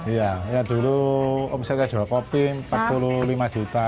iya ya dulu omsetnya jual kopi empat puluh lima juta